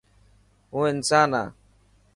هون انسان هان.